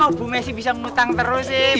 oh bu messi bisa ngutang terus sih